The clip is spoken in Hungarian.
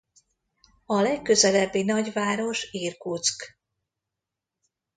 A legközelebbi nagyváros Irkutszk.